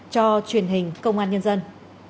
cho truyền hình công an nhân dân